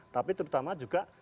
tapi terutama juga